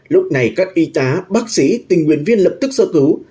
lúc này các y tá bác sĩ tỉnh nguyên viên lập tức sơ cứu